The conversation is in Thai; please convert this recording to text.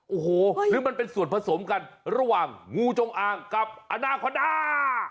โอ้โหหรือมันเป็นส่วนผสมกันระหว่างงูจงอางกับอนาคอนด้า